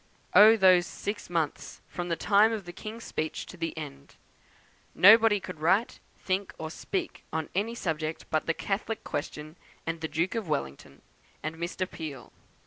Oh, those six months, from the time of the King's speech to the end! Nobody could write, think, or speak on any subject but the Catholic question, and the Duke of Wellington, and Mr. Peel.